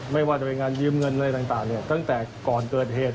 ไม่ว่าจะเป็นงานยืมเงินอะไรต่างตั้งแต่ก่อนเกิดเหตุ